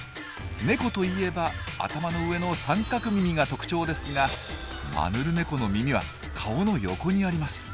ネコといえば頭の上の三角耳が特徴ですがマヌルネコの耳は顔の横にあります。